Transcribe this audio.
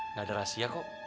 nggak ada rahasia kok